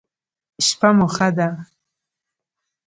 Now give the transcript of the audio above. شپه مو ښه ده